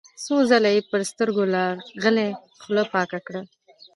څو ځله يې پر سترګو لاغلې خوله پاکه کړه.